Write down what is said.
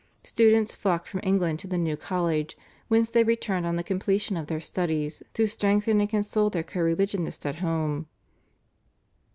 Students flocked from England to the new college, whence they returned on the completion of their studies to strengthen and console their co religionists at home.